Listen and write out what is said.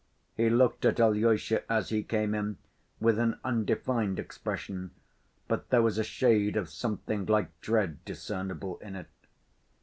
He looked at Alyosha as he came in with an undefined expression, but there was a shade of something like dread discernible in it.